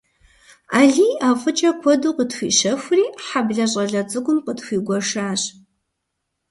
Алий ӀэфӀыкӀэ куэду къытхуищэхури, хьэблэ щӀалэ цӀыкӀум къытхуигуэшащ.